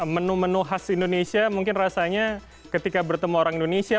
menu menu khas indonesia mungkin rasanya ketika bertemu orang indonesia